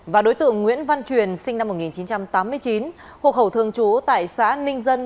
và đối tượng nguyễn văn truyền sinh năm một nghìn chín trăm tám mươi chín hộ khẩu thường trú tại xã ninh dân